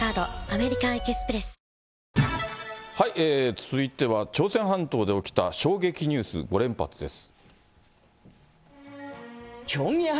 続いては朝鮮半島で起きた衝撃ニュース５連発です。